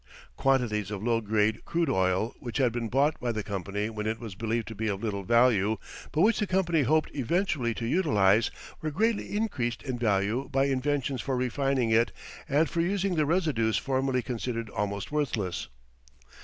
Quantities of low grade crude oil which had been bought by the company when it was believed to be of little value, but which the company hoped eventually to utilize, were greatly increased in value by inventions for refining it and for using the residues formerly considered almost worthless.